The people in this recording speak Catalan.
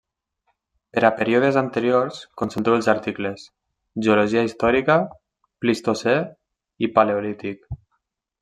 Per a períodes anteriors, consulteu els articles; geologia històrica, Plistocè, i Paleolític.